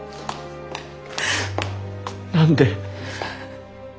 何で。